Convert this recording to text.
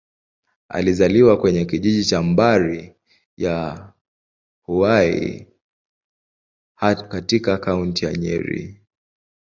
Alizaliwa kwenye kijiji cha Mbari-ya-Hwai, katika Kaunti ya Nyeri.